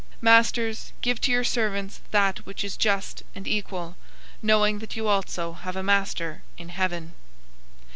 004:001 Masters, give to your servants that which is just and equal, knowing that you also have a Master in heaven.